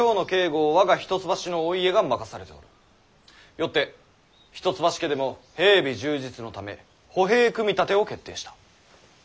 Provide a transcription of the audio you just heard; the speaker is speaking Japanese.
よって一橋家でも兵備充実のため歩兵組み立てを決定した。